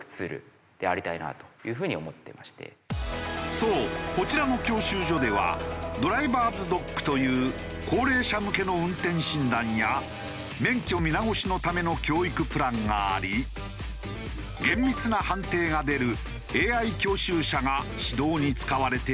そうこちらの教習所ではドライバーズ・ドックという高齢者向けの運転診断や免許見直しのための教育プランがあり厳密な判定が出るＡＩ教習車が指導に使われているという。